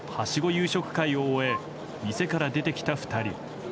夕食会を終え店から出てきた２人。